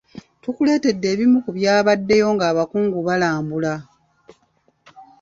Tukuletedde ebimu ku byabaddeyo nga abakungu balambula.